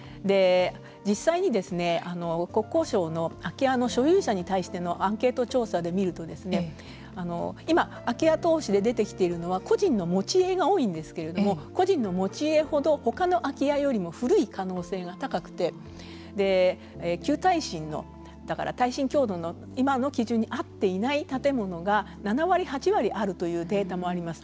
実際に国交省の空き家の所有者に対するアンケート調査で見ると今、空き家投資で出てきているのは個人の持ち家が多いんですけれども個人の持ち家ほどほかの空き家よりも古い可能性が高くて旧耐震のだから耐震強度の今の基準に合っていない建物が７割、８割あるというデータもあります。